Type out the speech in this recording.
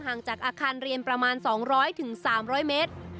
ห่างจากอาคารเรียนประมาณ๒๐๐๓๐๐เมตร